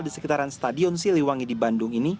di sekitaran stadion siliwangi di bandung ini